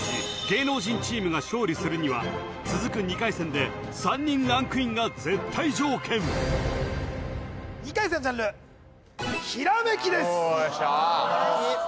芸能人チームが勝利するには続く２回戦で３人ランクインが絶対条件２回戦ジャンルひらめきですよーっ